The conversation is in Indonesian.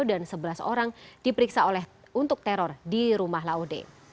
dan sebelas orang diperiksa untuk teror di rumah laude